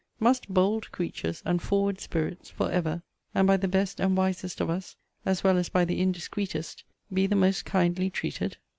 Must bold creatures, and forward spirits, for ever, and by the best and wisest of us, as well as by the indiscreetest, be the most kindly treated?